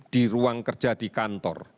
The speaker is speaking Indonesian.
di ruang kerja di kantor